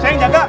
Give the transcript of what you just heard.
saya yang jaga